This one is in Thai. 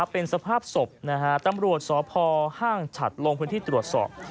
เป็นสภาพศพตำรวจสพห้างฉัดลงพื้นที่ตรวจสอบ